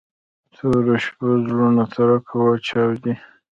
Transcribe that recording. د تورو شپو زړونه ترک وچاودي